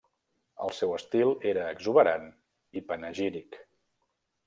El seu estil era exuberant i panegíric.